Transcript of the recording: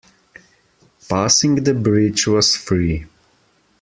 Passing the bridge was free.